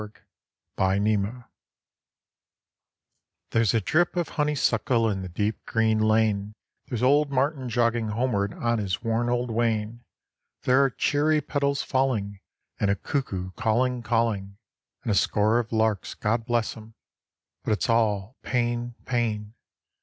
Milking Time There's a drip of honeysuckle in the deep green lane; There's old Martin jogging homeward on his worn old wain; There are cherry petals falling, and a cuckoo calling, calling, And a score of larks (God bless 'em) ... but it's all pain, pain.